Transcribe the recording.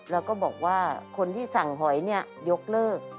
แล้วก็บอกว่าคนที่สั่งหอยยกเลิก